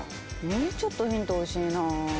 もうちょっとヒント欲しいな。